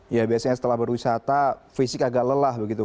ya biasanya setelah berwisata fisik agak lelah begitu